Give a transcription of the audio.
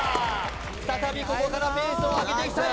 再びここからペースを上げていきたい